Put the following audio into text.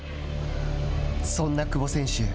そんな久保選手